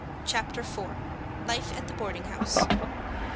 CHAPTER IV. LIFE AT THE BOARDING HOUSE.